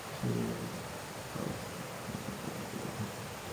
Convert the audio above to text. যখন দিবসের প্রথমভাগে ও শেষভাগে লোকজন তাওয়াফকালে তাকে জড়িয়ে ধরে।